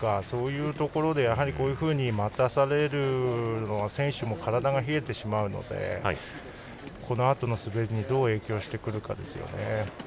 そういうところでこういうふうに待たされるのは選手も体が冷えてしまうのでこのあとの滑りにどう影響してくるかですよね。